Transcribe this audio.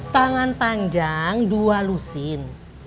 tangan panjang dua lusin